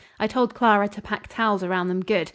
I told Clara to pack towels around them good.